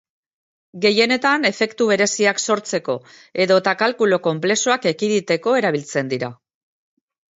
Gehienetan efektu bereziak sortzeko edota kalkulu konplexuak ekiditeko erabiltzen dira.